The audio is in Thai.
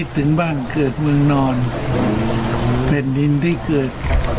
ถึงบ้านเกิดเมืองนอนแผ่นดินที่เกิด